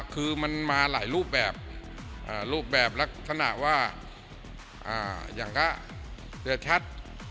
คือมันมาหลายรูปแบบรูปแบบลักษณะว่าอย่างก็เสียชัด